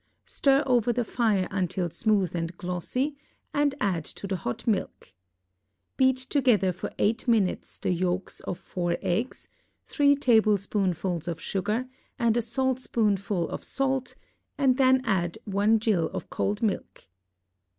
Stir over the fire until smooth and glossy, and add to the hot milk. Beat together for eight minutes the yolks of four eggs, three tablespoonfuls of sugar, and a saltspoonful of salt, and then add one gill of cold milk.